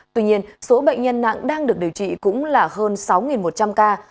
tuy nhiên số bệnh nhân nặng đang được điều trị cũng là hơn sáu một trăm linh ca